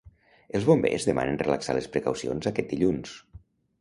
Els Bombers demanen relaxar les precaucions aquest dilluns.